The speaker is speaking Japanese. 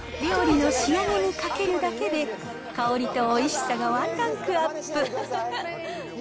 料理の仕上げにかけるだけで、香りとおいしさがワンランクアップ。